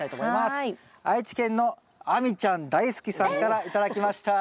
愛知県の亜美ちゃん大好きさんから頂きました。